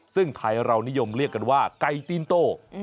ซึ่งไทยเรานิยมเรียกกันว่าไก่ตีนโต